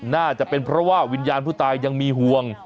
น่าจะเป็นเพราะว่าวิญญาณผู้ตายยังมีห่วง